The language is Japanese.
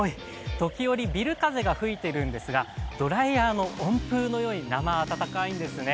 時折ビル風が吹いているんですがドライヤーの温風のようになま暖かいんですね